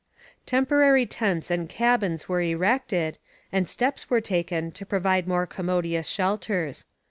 Temporary tents and cabins were erected, and steps were taken to provide more commodious shelters.